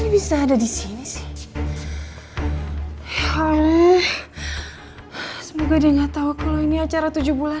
bisa ada di sini semoga dia nggak tahu kalau ini acara tujuh bulan